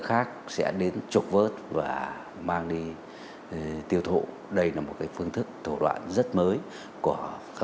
phát hiện gần ba trăm linh kg ma túy cocaine trôi giạt vào bờ biển